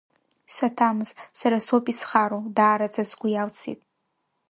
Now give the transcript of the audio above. Саҭамз, сара соуп изхароу, даараӡа сгәы иалсит…